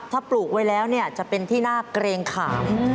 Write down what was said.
ถ้าปลูกไว้แล้วเนี่ยจะเป็นที่น่าเกรงขาม